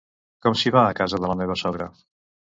Com s'hi va a casa de la meva sogra?